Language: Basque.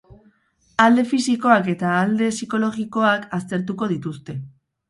Alde fisikoak eta alde psikologiak aztertuko dituzte.